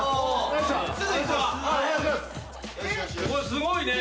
すごいね。